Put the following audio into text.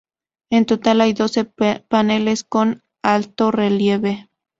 En total, hay doce paneles con altorrelieve.